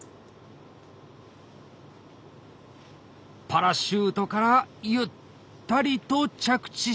パラシュートからゆったりと着地しました。